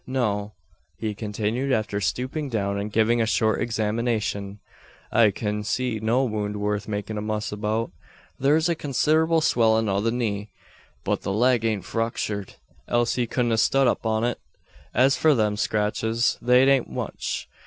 No," he continued, after stooping down and giving a short examination, "I kin see no wound worth makin' a muss about. Thur's a consid'able swellin' o' the knee; but the leg ain't fructered, else he kudn't a stud up on it. As for them scratches, they ain't much.